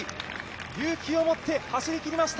勇気を持って走りきりました。